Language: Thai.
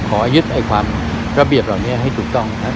ขอยึดไปคนราเบียบเหล่านี้ให้ถูกต้อง